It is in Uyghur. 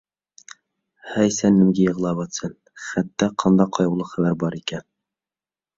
ھەي، سەن نېمىگە يىغلاۋاتىسەن؟ خەتتە قانداق قايغۇلۇق خەۋەر بار ئىكەن؟